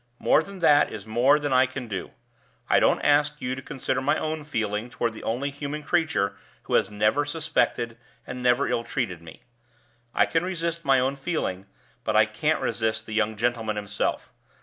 More than that is more than I can do. I don't ask you to consider my own feeling toward the only human creature who has never suspected and never ill treated me. I can resist my own feeling, but I can't resist the young gentleman himself.